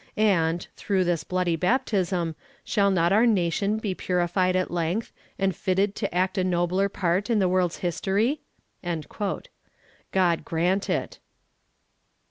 And, through this bloody baptism, shall not our nation be purified at length, and fitted to act a nobler part in the world's history?" God grant it.